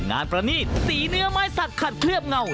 ประณีตสีเนื้อไม้สักขัดเคลือบเงา